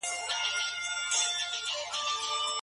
څنګه ځان له بدو عواقبو څخه وژغورو؟